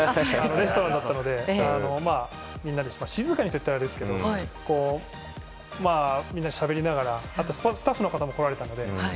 レストランだったのでみんなで静かにといったらあれですけどみんなしゃべりながらスタッフの方も来られたので。